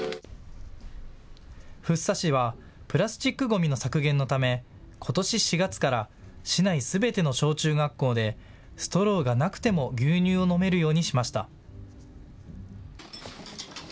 福生市はプラスチックごみの削減のため、ことし４月から市内すべての小中学校でストローがなくても牛乳を飲めるようにしました。